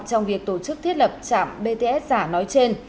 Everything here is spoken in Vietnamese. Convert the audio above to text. trong việc tổ chức thiết lập trạm bts giả nói trên